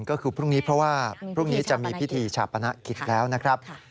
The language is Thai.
ก็คือพรุ่งนี้เพราะว่าพรุ่งนี้จะมีพิธีชาปนกิจแล้วนะครับ